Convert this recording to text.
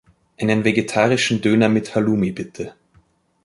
Einen vergetarischen Döner mit Halumi bitte.